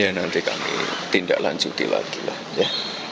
ya nanti kami tindak lanjuti lagi lah ya